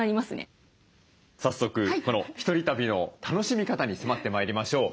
早速この１人旅の楽しみ方に迫ってまいりましょう。